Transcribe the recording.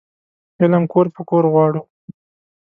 علم کور په کور غواړو